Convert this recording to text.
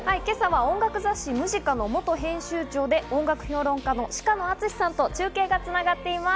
音楽雑誌『ＭＵＳＩＣＡ』の元編集長で音楽評論家の鹿野淳さんと中継が繋がっています。